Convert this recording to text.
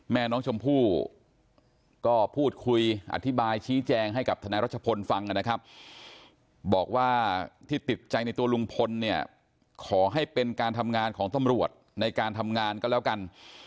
แม่น้องชมพู่ก็พูดคุยอธิบายชี้แจงให้กับทนายรัชพลฟังนะครับบอกว่าที่ติดใจในตัวลุงพลเนี่ยขอให้เป็นการทำงานของตำรวจในการทำงานก็แล้วกัน